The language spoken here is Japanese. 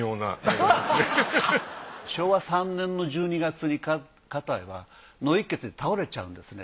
昭和３年の１２月に花袋は脳いっ血で倒れちゃうんですね。